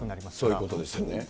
そういうことですよね。